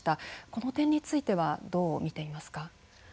この点についてはどう見ていますか。